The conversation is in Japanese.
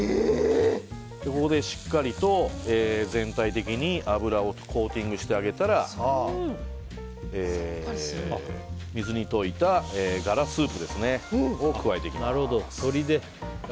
ここでしっかりと全体的に脂をコーティングしてあげたら水に溶いたガラスープを加えていきます。